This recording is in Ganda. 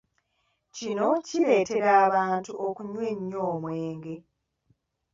Kino kireetera abantu okunywa ennyo omwenge.